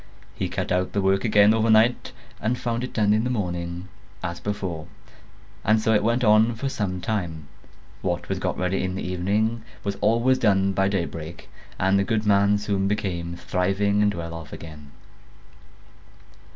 He cut out the work again overnight and found it done in the morning, as before; and so it went on for some time: what was got ready in the evening was always done by daybreak, and the good man soon became thriving and well off again.